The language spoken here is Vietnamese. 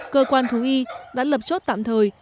cơ quan thú y đã lập chốt tạm thời